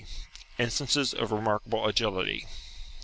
INSTANCES OF EEMAEKABLE AGILITY.